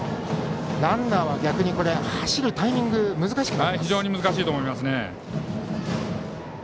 ランナーは逆に走るタイミングが非常に難しいと思いますね。